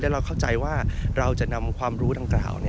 เราเข้าใจว่าเราจะนำความรู้ดังกล่าว